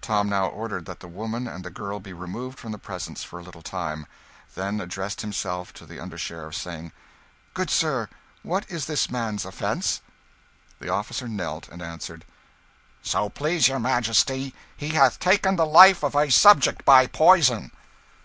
Tom now ordered that the woman and the girl be removed from the presence for a little time; then addressed himself to the under sheriff, saying "Good sir, what is this man's offence?" The officer knelt, and answered "So please your Majesty, he hath taken the life of a subject by poison."